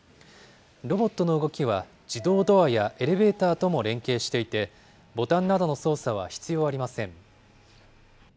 ロボットの動きは自動ドアやエレベーターとも連携していて、ボタンなどの操作は必要ありません。